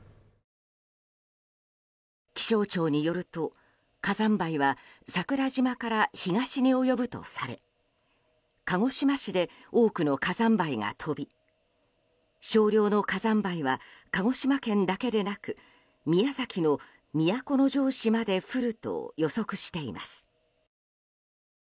気象庁によると火山灰は桜島から東に及ぶとされ鹿児島市で多くの火山灰が飛び少量の火山灰は鹿児島県だけでなく宮崎の都城市まで降ると予測しています。